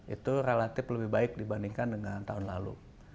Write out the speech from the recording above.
itu relatif lebih baik dibandingkan dengan tahun lalu